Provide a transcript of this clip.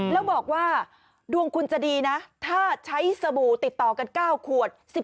แล้วบอกว่าดวงคุณจะดีนะถ้าใช้สบู่ติดต่อกัน๙ขวด